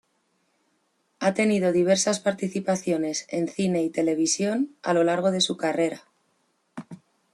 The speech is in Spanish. Ha tenido diversas participaciones en cine y televisión a lo largo de su carrera.